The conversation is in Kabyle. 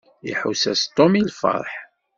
Iḥuss-as Tom i lfeṛḥ.